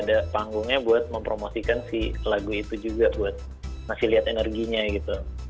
ada panggungnya buat mempromosikan si lagu itu juga buat ngasih liat energinya gitu